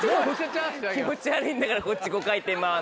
気持ち悪いんだからこっち５回転回るの。